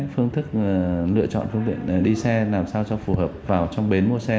phương thức lựa chọn phương tiện đi xe làm sao cho phù hợp vào trong bến mua xe